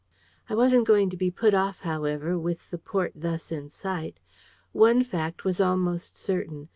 I wasn't going to be put off, however, with the port thus in sight. One fact was almost certain.